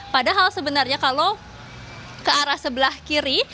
padahal sebenarnya kalau ke arah sebelah kiri